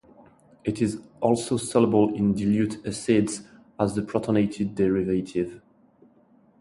It is also soluble in dilute acids as the protonated derivative.